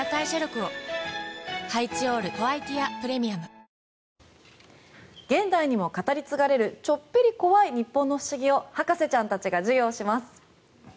明治おいしい牛乳現代にも語り継がれるちょっぴり怖い日本の不思議を博士ちゃんたちが授業します。